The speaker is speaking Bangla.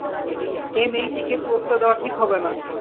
এ মেয়েটিকে প্রশ্রয় দেয়া ঠিক হবে না।